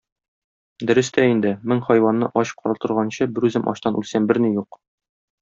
Дөрес тә инде, мең хайванны ач калдырганчы, берүзем ачтан үлсәм, берни юк.